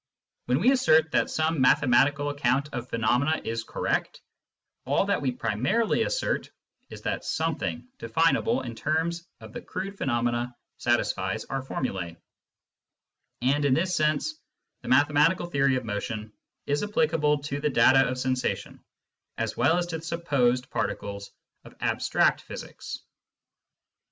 When we assert that some mathematical account of phenomena is correct, all that we primarily assert is that something definable in terms of the crude phenomena satisfies our formulas ; and in this sense the Digitized by G oogle THE THEORY OF CONTINUITY 143 mathematical theory of motion is applicable to the data of sensation as well as to the supposed particles of abstract physics.